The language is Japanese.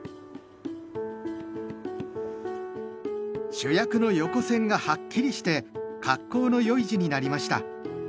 主役の横線がはっきりして格好の良い字になりました。